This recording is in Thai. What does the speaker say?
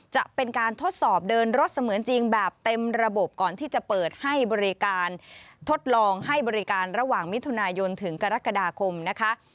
จะเป็นการทดสอบเดินรถเสมือนจริงแบบเต็มระบบก่อนที่จะเปิดให้บริการทดลองให้บริการระหว่างมิถุนายนถึงกรกฎาคมนะคะ